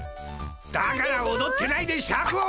だからおどってないでシャクを。